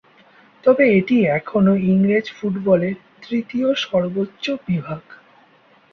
তবে এটি এখনো ইংরেজ ফুটবলের তৃতীয় সর্বোচ্চ বিভাগ।